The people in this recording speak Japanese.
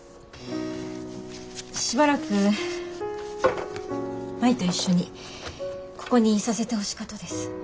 しばらく舞と一緒にここにいさせてほしかとです。